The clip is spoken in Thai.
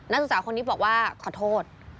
ศึกษาคนนี้บอกว่าขอโทษ